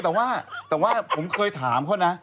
แต่าว่าเคยถามเขานะ